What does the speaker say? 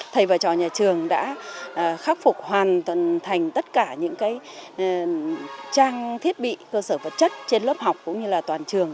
thầy và trò nhà trường đã khắc phục hoàn toàn thành tất cả những trang thiết bị cơ sở vật chất trên lớp học cũng như là toàn trường